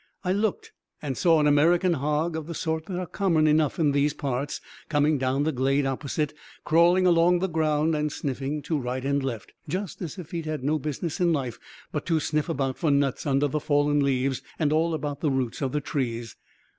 I looked and saw an American hog, of the sort that are common enough in these parts, coming down the glade opposite, crawling along the ground and sniffing to right and left just as if he'd no business in life but to sniff about for nuts under the fallen leaves and all about the roots of the trees.